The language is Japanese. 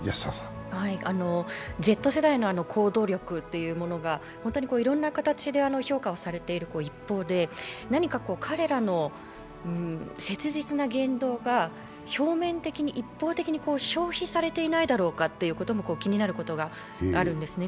Ｚ世代の行動力が本当にいろいろな形で評価されている一方で、何か彼らの切実な言動が表面的に一方的に消費されていないだろうかということも気になることがあるんですね。